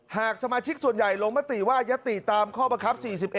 หากสมาชิกส่วนใหญ่ลงมติว่ายัตติตามข้อบังคับ๔๑